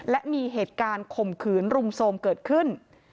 และมีเหตุการณ์ข่มขืนรุมโทรมเกิดขึ้น